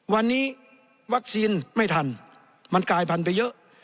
วันนี้วัคซีนไม่ทันมันกลายพันธุไปเยอะ